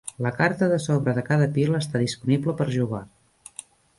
La carta de sobre de cada pila està disponible per jugar.